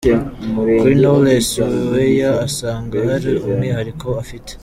Kuri Knowless, Weya asanga hari umwihariko afite.